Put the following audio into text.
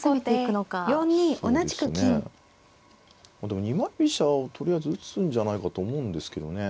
でも二枚飛車をとりあえず打つんじゃないかと思うんですけどね。